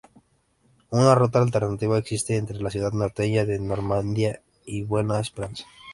Una ruta alternativa existe entre la ciudad norteña de Normandia y Buena Esperanza.